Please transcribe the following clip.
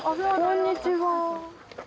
こんにちは。